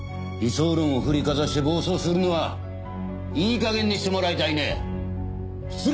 理想論を振りかざして暴走するのはいいかげんにしてもらいたいね。